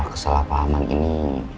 apa kesalahpahaman ini